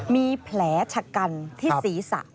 มีแผลชะกันที่ศีรษะ